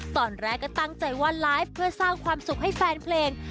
ตอนแรกก็ตั้งใจว่าไลฟ์เพื่อสร้างความสุขให้แฟนเพลง